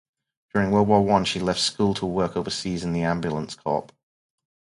During World War One, she left school to work overseas in the ambulance corps.